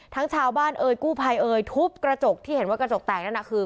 ชาวบ้านเอ่ยกู้ภัยเอ่ยทุบกระจกที่เห็นว่ากระจกแตกนั่นน่ะคือ